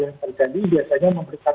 yang terjadi biasanya memberikan